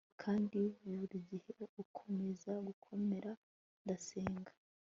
kandi burigihe ukomeze gukomera, ndasenga